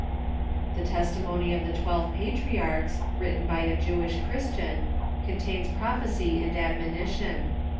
The Testimony of the Twelve Patriarchs, written by a Jewish Christian, contains prophecy and admoni tion.